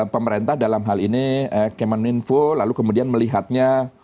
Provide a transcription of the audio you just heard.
pemerintah dalam hal ini kemeninfo lalu kemudian melihatnya